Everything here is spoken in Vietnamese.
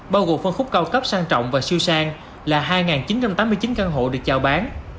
bao gồm phân khúc cao cấp sang trọng và siêu sang là hai chín trăm tám mươi chín căn hộ được chào bán